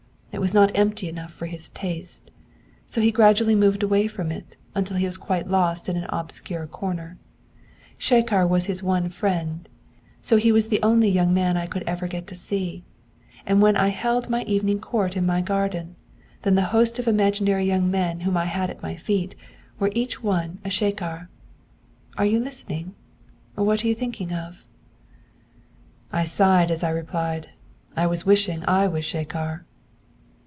It was not empty enough for his taste; so he gradually moved away from it, until he was quite lost in an obscure corner. Shekhar was his one friend, so he was the only young man I could ever get to see. And when I held my evening court in my garden, then the host of imaginary young men whom I had at my feet were each one a Shekhar. Are you listening? What are you thinking of?' I sighed as I replied: 'I was wishing I was Shekhar!'